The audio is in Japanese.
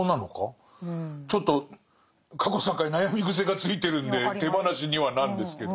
ちょっと過去３回悩み癖がついてるんで手放しにはなんですけど。